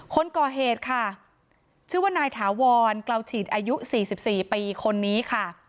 คนก่อเหตุค่ะชื่อว่านายถาวรเกลาฉีดอายุ๔๔ปีคนนี้ค่ะ